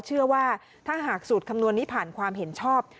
เชื่อว่าถ้าหากสูตรคำนวณนี้ผ่านความเห็นชอบ